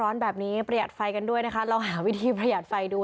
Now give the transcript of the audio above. ร้อนแบบนี้ประหยัดไฟกันด้วยนะคะลองหาวิธีประหยัดไฟดู